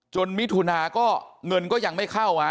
จนมิถุนาก็เงินจริงจะเข้าเมษา